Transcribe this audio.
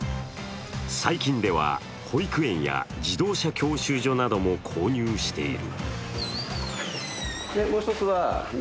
最近では保育園や自動車教習所なども購入している。